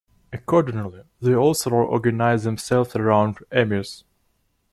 Accordingly, they also organise themselves around amirs.